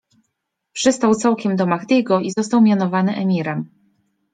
Przystał całkiem do Mahdiego i został mianowany emirem.